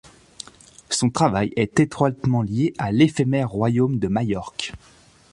Son travail est étroitement lié à l'éphémère royaume de Majorque.